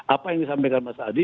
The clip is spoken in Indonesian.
apa yang disampaikan mas adi